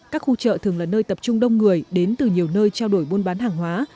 các khu chợ thường là nơi tập trung đông người đến từ nhiều nơi trao đổi buôn bán hàng hóa